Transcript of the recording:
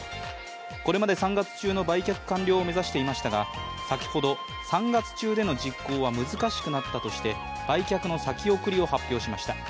これまで３月中の売却完了を目指していましたが先ほど、３月中での実行は難しくなったとして売却の先送りを発表しました。